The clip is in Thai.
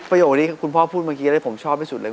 ที่คุณพ่อพูดเมื่อกี้เลยผมชอบที่สุดเลย